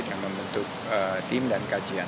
dan membentuk tim dan kajian